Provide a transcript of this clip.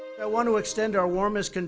ketika tsunami tersebut menyebabkan kematian